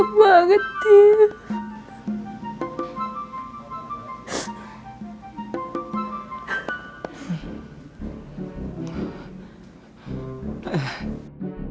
aku mau ngongsi tentang area yang kamu sudahail pada sekarang